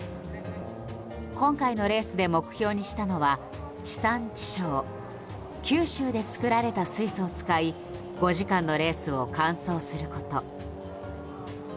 今回のレースで目標にしたのは地産地消九州で作られた水素を使い５時間のレースを完走すること。